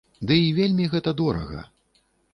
Ды і вельмі гэта дорага.